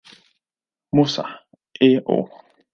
Musa, A. O.